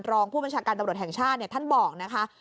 รองผู้บัญชาการตำรวจแห่งชาติท่านบอกนะคะ